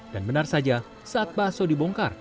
dan benar saja saat bakso dibongkar